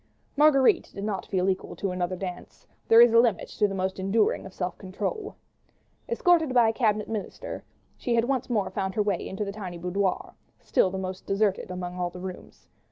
Marguerite did not feel equal to another dance; there is a limit to the most enduring self control. Escorted by a Cabinet Minister, she had once more found her way to the tiny boudoir, still the most deserted among all the rooms.